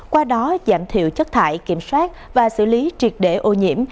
qua đó giảm thiểu chất thải kiểm soát và xử lý triệt để ô nhiễm